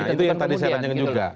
nah itu yang tadi saya tanyakan juga